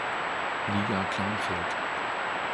Liga Kleinfeld.